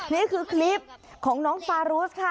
นี่คือคลิปของน้องฟารุสค่ะ